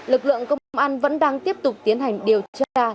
lực lượng công an vẫn đang tiếp tục tiến hành điều tra